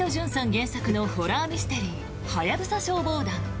原作のホラーミステリー「ハヤブサ消防団」。